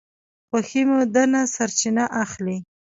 خوښي مو ده نه سرچینه اخلي